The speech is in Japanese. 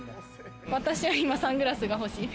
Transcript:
私は今、サングラスが欲しい。